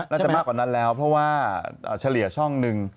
น่าจะมากกว่านั้นแล้วเพราะว่าเฉลี่ยช่องหนึ่ง